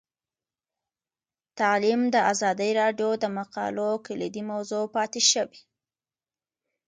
تعلیم د ازادي راډیو د مقالو کلیدي موضوع پاتې شوی.